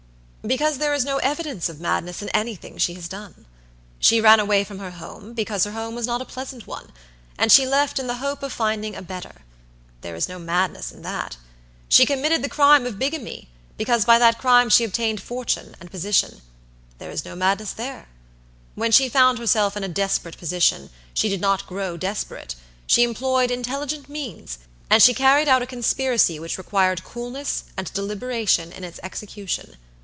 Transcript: "Because there is no evidence of madness in anything she has done. She ran away from her home, because her home was not a pleasant one, and she left in the hope of finding a better. There is no madness in that. She committed the crime of bigamy, because by that crime she obtained fortune and position. There is no madness there. When she found herself in a desperate position, she did not grow desperate. She employed intelligent means, and she carried out a conspiracy which required coolness and deliberation in its execution.